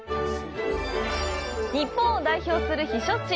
日本を代表する避暑地